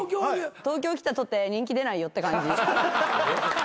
東京来たとて人気出ないよって感じ。